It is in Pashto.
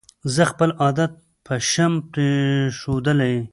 زه خپل عادت پشم پرېښودلې